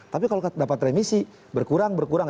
tapi kalau dapat remisi berkurang berkurang